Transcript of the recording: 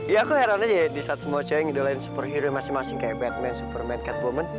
ya aku heran aja ya disaat semua cewek ngidolein superhero masing masing kayak batman superman catwoman